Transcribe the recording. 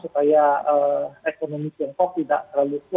nah ekonomi tiongkok tidak terlalu kuat ya